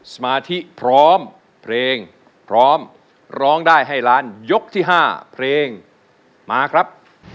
สมาธิพร้อมเพลงพร้อมร้องได้ให้ล้านยกที่๕เพลงมาครับ